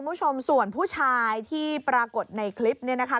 คุณผู้ชมส่วนผู้ชายที่ปรากฏในคลิปเนี่ยนะคะ